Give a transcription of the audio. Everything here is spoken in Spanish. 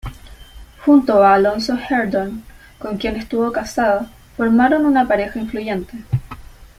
Junto a Alonzo Herndon, con quien estuvo casada, formaron una pareja influyente.